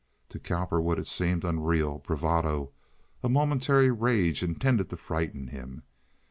To Cowperwood it seemed unreal, bravado, a momentary rage intended to frighten him.